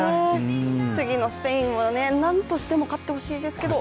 次のスペインは何としても勝ってほしいですけど。